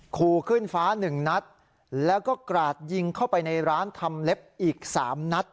คู่ขึ้นฟ้าหนึ่งนัดแล้วก็กราดยิงเข้าไปในร้านทำเล็บอีก๓นัด